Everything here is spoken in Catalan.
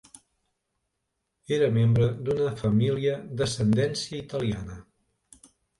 Era membre d'una família d'ascendència italiana.